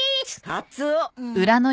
カツオ！